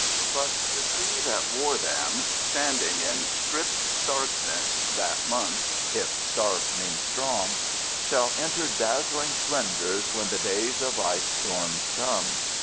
But the tree that wore them, standing in stripped starkness that month—if stark means strong—shall enter dazzling splendors when the days of ice storms come.